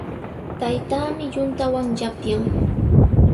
Taytaami yuntawan yapyan.